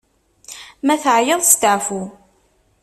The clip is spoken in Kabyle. Ma teɛyiḍ, steɛfu!